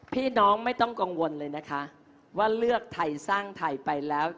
พี่น้องไม่ต้องกังวลเลยนะคะว่าเลือกไทยสร้างไทยไปแล้ว